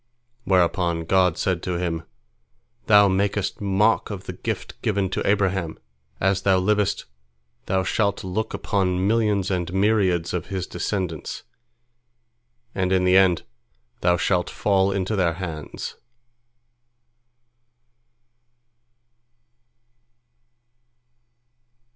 Whereupon God said to him: "Thou makest mock of the gift given to Abraham! As thou livest, thou shalt look upon millions and myriads of his descendants, and in the end thou shalt fall into their hands."